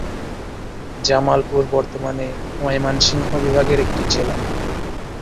জামালপুর বর্তমানে ময়মনসিংহ বিভাগের একটি জেলা।